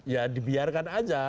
ya dibiarkan aja